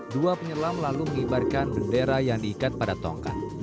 dua penyelam lalu mengibarkan bendera yang diikat pada tongkat